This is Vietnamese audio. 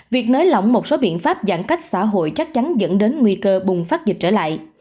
việc nới lỏng một số biện pháp giãn cách xã hội chắc chắn dẫn đến nguy cơ bùng phát dịch trở lại